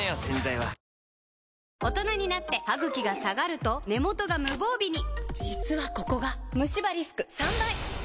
洗剤は大人になってハグキが下がると根元が無防備に実はここがムシ歯リスク３倍！